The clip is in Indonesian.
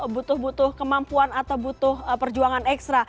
butuh butuh kemampuan atau butuh perjuangan ekstra